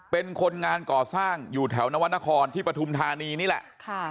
เป็นคนงานก่อสร้างอยู่แถวนวรรณครที่ปฐุมธานีนี่แหละ